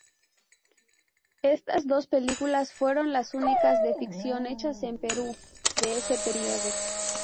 Estas dos películas fueron las únicas de ficción hechas en Perú de ese período.